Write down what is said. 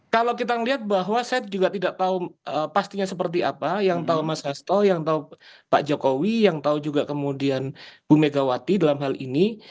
kalau kita melihat bahwa saya juga tidak tahu pastinya seperti apa yang tahu mas hasto yang tahu pak jokowi yang tahu juga kemudian bu megawati dalam hal ini